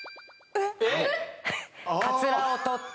えっ？